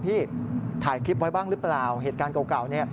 พี่ถ่ายคลิปไว้บ้างหรือเปล่าเหตุการณ์เก่าเนี่ย